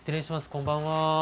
こんばんは。